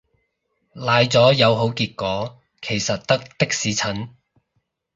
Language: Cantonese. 奶咗有好結果其實得的士陳